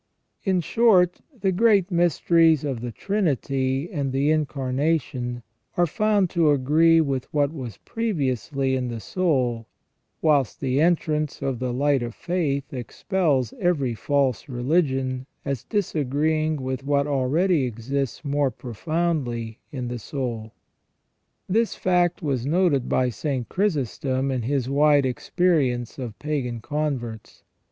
In short, the great mysteries of the Trinity and the Incarna tion are found to agree with what was previously in the soul, whilst the entrance of the light of faith expels every false religion as disagreeing with what already exists more profoundly in the soul. This fact was noted by St. Chrysostom in his wide experience of pagan converts.